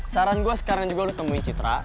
saran gue sekarang juga lu temuin citra